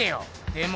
でも。